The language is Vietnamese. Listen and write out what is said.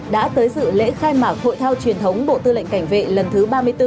đã tới dự lễ khai mạc hội thao truyền thống bộ tư lệnh cảnh vệ lần thứ ba mươi bốn